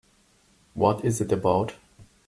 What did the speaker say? What is it about?